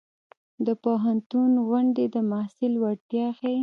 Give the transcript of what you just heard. د پوهنتون غونډې د محصل وړتیا ښيي.